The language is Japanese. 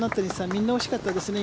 みんな惜しかったですね